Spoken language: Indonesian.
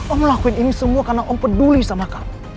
om lakuin ini semua karena om peduli sama kamu